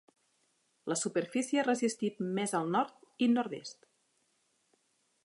La superfície ha resistit més al nord i nord-est.